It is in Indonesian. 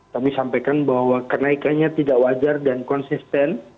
kami sampaikan bahwa kenaikannya tidak wajar dan konsisten